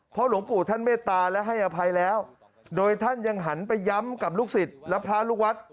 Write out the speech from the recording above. หลวงปู่ท่านเมตตาและให้อภัยแล้วโดยท่านยังหันไปย้ำกับลูกศิษย์และพระลูกวัด